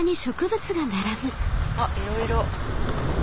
あっいろいろ。